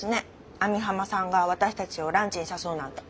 網浜さんが私たちをランチに誘うなんて。